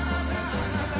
あなた！